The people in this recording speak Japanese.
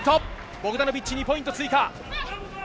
ボクダノビッチ２ポイント追加。